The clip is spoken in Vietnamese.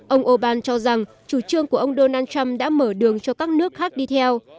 ông orbán cho rằng chủ trương của ông donald trump đã mở đường cho các nước khác đi theo